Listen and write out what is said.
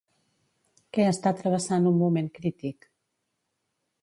Què està travessant un moment crític?